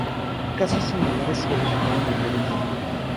Casos similares se verificaron en breve tiempo.